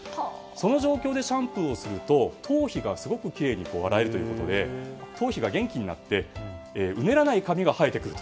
その状況でシャンプーをすると頭皮がすごくきれいに洗えるということで頭皮が元気になってうねらない髪が生えてくると。